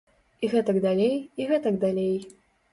І гэтак далей, і гэтак далей.